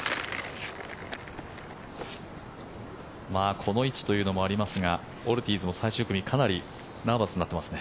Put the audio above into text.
この位置というのもありますがオルティーズも最終組でかなりナーバスになってますね。